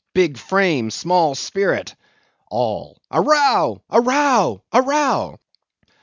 big frame, small spirit! ALL. A row! a row! a row!